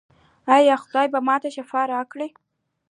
ایا خدای به ما ته شفا راکړي؟